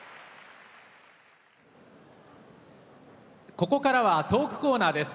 ここからはトークコーナーです。